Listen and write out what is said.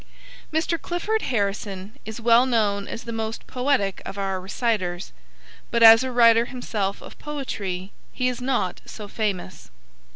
Mr. Clifford Harrison is well known as the most poetic of our reciters, but as a writer himself of poetry he is not so famous.